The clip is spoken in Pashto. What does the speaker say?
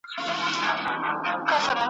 شمعي که بلېږې نن دي وار دی بیا به نه وینو ,